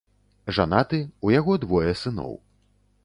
Жанаты, у яго двое сыноў.